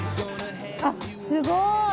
あっすごい。